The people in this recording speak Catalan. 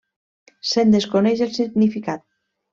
Se'n desconeix el significat.